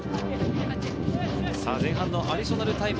前半は間もなくアディショナルタイム。